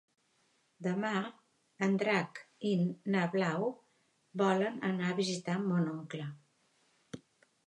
Demà en Drac i na Blau volen anar a visitar mon oncle.